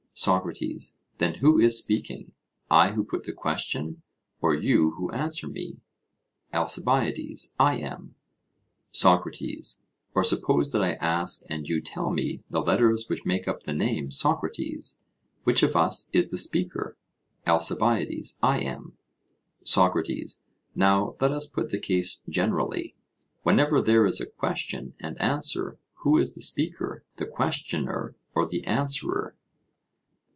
SOCRATES: Then who is speaking? I who put the question, or you who answer me? ALCIBIADES: I am. SOCRATES: Or suppose that I ask and you tell me the letters which make up the name Socrates, which of us is the speaker? ALCIBIADES: I am. SOCRATES: Now let us put the case generally: whenever there is a question and answer, who is the speaker, the questioner or the answerer?